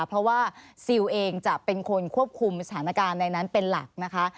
เพราะว่าซิลเองจะเป็นคนควบคุมสถานการณ์ในนั้นเป็นหลักนะคะ